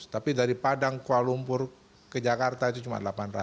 tapi dari padang kuala lumpur ke jakarta itu cuma delapan ratus